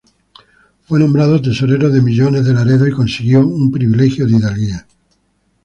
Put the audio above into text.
Fue nombrado Tesorero de Millones de Laredo y consiguió un Privilegio de Hidalguía.